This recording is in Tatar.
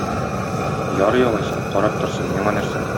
Ярый алайса, карап торсын, миңа нәрсә.